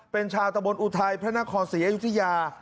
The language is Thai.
เป็นชาวตะบนอุทัยพระนครศรีอยุธยา